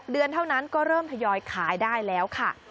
เดือนเท่านั้นก็เริ่มทยอยขายได้แล้วค่ะ